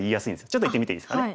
ちょっと言ってみていいですかね。